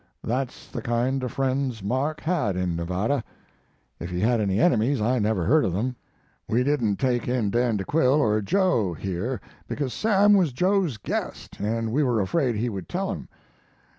That's the kind of friends Mark had in Nevada. If he had any enemies I never heard of them. "We didn't take in Dan de Quille, or Joe here, because Sam was Joe's guest, and we were afraid he would tell him.